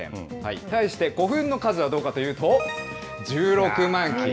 対して古墳の数はどうかというと１６万基。